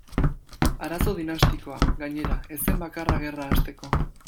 Arazo dinastikoa, gainera, ez zen bakarra gerra hasteko.